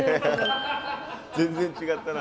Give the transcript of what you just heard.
全然違ったな。